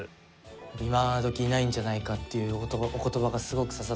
今どきないんじゃないかっていうお言葉がすごく刺さって。